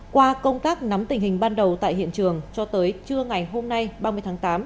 qua công tác nắm tình hình ban đầu tại hiện trường cho tới trưa ngày hôm nay ba mươi tháng tám